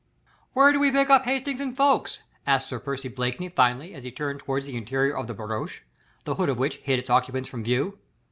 "Where do we pick up Hastings and Ffoulkes?" asked Sir Percy Blakeney finally as he turned toward the interior of the barouche, the hood of which hid its occupants from view.